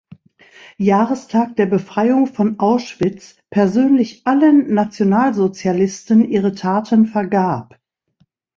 Jahrestag der Befreiung von Auschwitz persönlich allen Nationalsozialisten ihre Taten vergab.